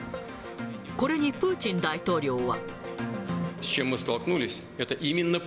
これにプーチン大統領は。